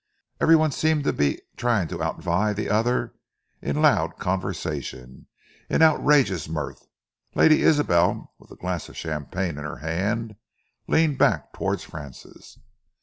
Every one seemed to be trying to outvie the other in loud conversation, in outrageous mirth. Lady Isabel, with a glass of champagne in her hand, leaned back towards Francis.